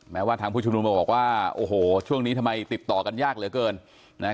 ว่าทางผู้ชุมนุมจะบอกว่าโอ้โหช่วงนี้ทำไมติดต่อกันยากเหลือเกินนะฮะ